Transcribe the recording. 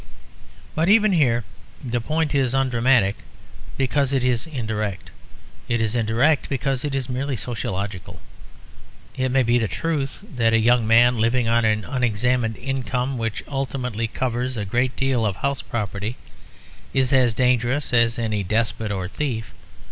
But even here the point is undramatic because it is indirect; it is indirect because it is merely sociological. It may be the truth that a young man living on an unexamined income which ultimately covers a great deal of house property is as dangerous as any despot or thief.